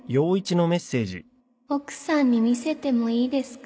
奥さんに見せてもいいですか？